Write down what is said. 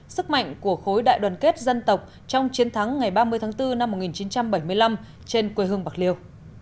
sức mạnh của khối đại đoàn kết dân tộc trong chiến thắng ngày ba mươi tháng bốn năm một nghìn chín trăm bảy mươi năm trên quê hương bạc liêu